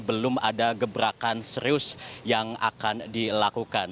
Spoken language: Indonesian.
belum ada gebrakan serius yang akan dilakukan